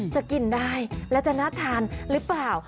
จะกินได้และจะน่าทานหรือเปล่า